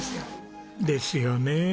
ですよねえ。